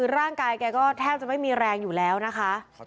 ร่างกายแกก็แทบจะไม่มีแรงอยู่แล้วนะคะ